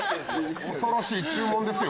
恐ろしい注文ですよ。